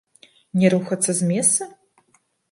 Не рухацца з месца?